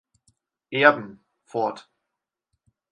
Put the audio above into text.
Erben" fort.